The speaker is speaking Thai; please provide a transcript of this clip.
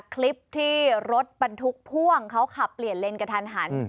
คลิปที่รถบรรทุกพ่วงเขาขับเปลี่ยนเลนกระทันหัน